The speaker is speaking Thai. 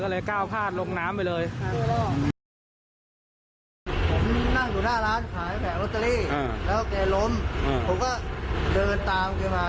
แล้วเขาล้มผมก็เดินตามเขามา